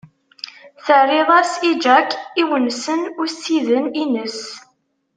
Terriḍ-as i Jacques iwensen ussiden ines?